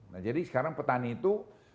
nah jadi sekarang petani itu